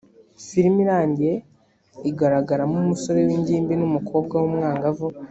filimi irangiye igaragaramo umusore w’ingimbi n’umukobwa w’umwangavu